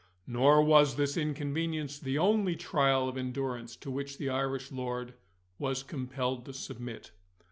Nor was this inconvenience the only trial of endurance to which the Irish lord was compelled to submit.